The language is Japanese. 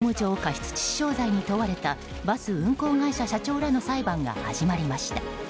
去年業務上過失致死傷罪に問われたバス運行会社社長らの裁判が始まりました。